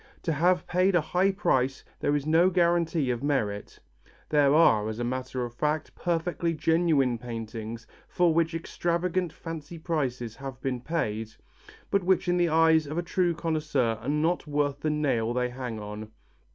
To have paid a high price is no guarantee of merit. There are, as a matter of fact, perfectly genuine paintings for which extravagant fancy prices have been paid, but which in the eyes of a true connoisseur are not worth the nail they hang on.